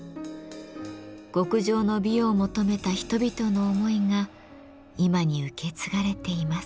極上の美を求めた人々の思いが今に受け継がれています。